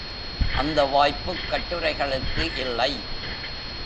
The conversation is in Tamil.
அந்த வாய்ப்புக் கட்டுரைகளுக்கு இல்லை.